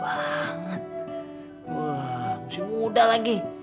wah masih muda lagi